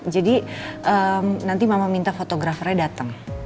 jadi nanti mama minta fotografernya dateng